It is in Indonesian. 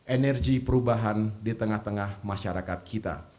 energi perubahan di tengah tengah masyarakat kita